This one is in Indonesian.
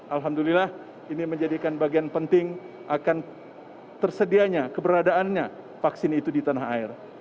alhamdulillah ini menjadikan bagian penting akan tersedianya keberadaannya vaksin itu di tanah air